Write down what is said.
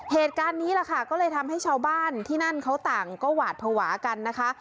เหตุการณ์นี้แหละค่ะก็เลยทำให้ชาวบ้านที่นั่นเขาต่างก็หวาดภาวะกันนะคะ